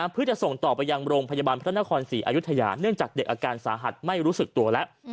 เพื่อจะส่งต่อไปยังโรงพยาบาลพระนครศรีอายุทยาเนื่องจากเด็กอาการสาหัสไม่รู้สึกตัวแล้ว